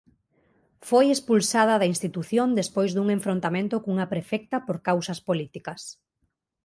Foi expulsada da institución despois dun enfrontamento cunha prefecta por causas políticas.